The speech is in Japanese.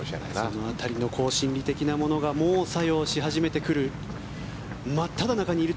この辺りの心理的なものがもう作用し始めてきている。